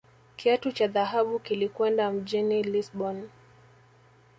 Kiatu cha dhahabu kilikwenda mjini Lisbon